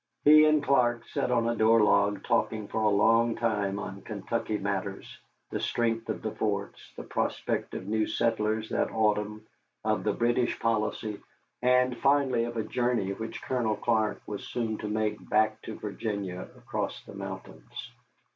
He and Clark sat on a door log talking for a long time on Kentucky matters, the strength of the forts, the prospect of new settlers that autumn, of the British policy, and finally of a journey which Colonel Clark was soon to make back to Virginia across the mountains.